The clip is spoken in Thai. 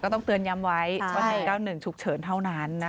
ต้องเตือนย้ำไว้ว่า๑๙๑ฉุกเฉินเท่านั้น